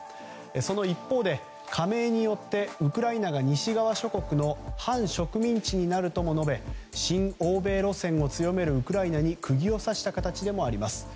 その一方で加盟によってウクライナが西側諸国の半植民地にもなると述べ親欧米路線を強めるウクライナに釘を刺した形でもあります。